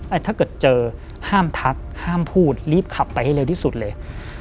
ถ้าเกิดเจอห้ามทักห้ามพูดรีบขับไปให้เร็วที่สุดเลย